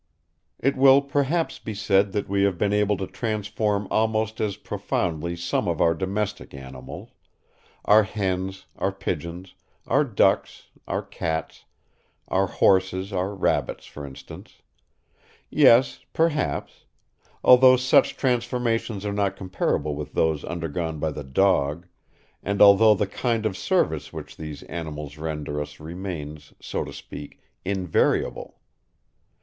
It will, perhaps, be said that we have been able to transform almost as profoundly some of our domestic animals: our hens, our pigeons, our ducks, our cats, our horses, our rabbits, for instance. Yes, perhaps; although such transformations are not comparable with those undergone by the dog and although the kind of service which these animals render us remains, so to speak, invariable.